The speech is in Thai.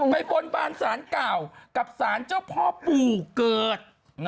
บนบานสารเก่ากับสารเจ้าพ่อปู่เกิด